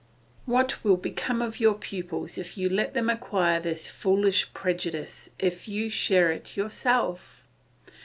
What will become of your pupils if you let them acquire this foolish prejudice, if you share it yourself?